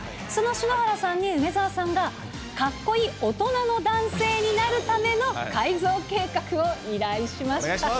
その篠原さんに梅澤さんが、かっこいい大人の男性になるための改造計画を依頼しました。